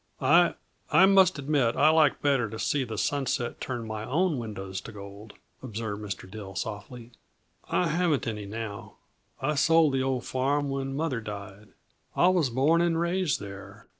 "I I must admit I like better to see the sunset turn my own windows to gold," observed Mr. Dill softly. "I haven't any, now; I sold the old farm when mother died. I was born and raised there.